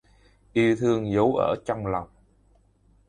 Yêu thương giấu ở trong lòng